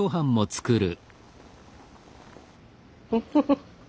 フッフフ。